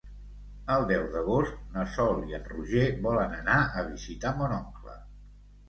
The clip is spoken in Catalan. El deu d'agost na Sol i en Roger volen anar a visitar mon oncle.